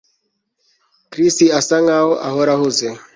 Chris asa nkaho ahora ahuze